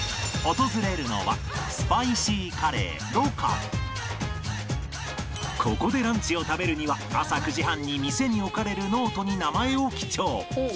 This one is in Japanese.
訪れるのはここでランチを食べるには朝９時半に店に置かれるノートに名前を記帳